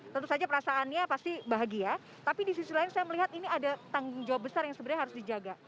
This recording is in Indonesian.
tentu saja perasaannya pasti bahagia tapi di sisi lain saya melihat ini ada tanggung jawab besar yang sebenarnya harus dijaga